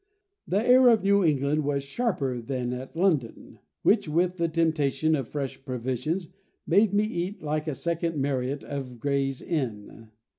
The air of New England was sharper than at London; which, with the temptation of fresh provisions, made me eat like a second Mariot of Gray's Inn.